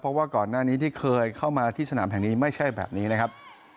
เพราะว่าก่อนหน้านี้ที่เคยเข้ามาที่สนามแห่งนี้ไม่ใช่แบบนี้นะครับ